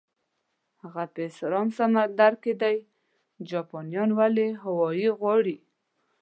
هغه په ارام سمندر کې ده، جاپانیان ولې هاوایي غواړي؟